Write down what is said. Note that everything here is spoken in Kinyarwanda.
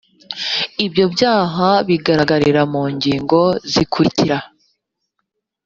ibyo byaha bigaragarira mu ngingo zikurikira